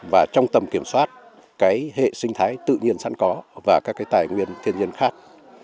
và trong tầm kiểm soát cái hệ sinh thái tự nhiên sẵn có và các cái tài nguyên thiên nhiên khác